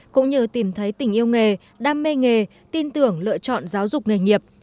cũng như tìm thấy tình yêu nghề đam mê nghề tin tưởng lựa chọn giáo dục nghề nghiệp